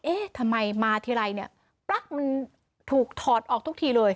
เอ๊ะทำไมมาทีไรเนี่ยปลั๊กมันถูกถอดออกทุกทีเลย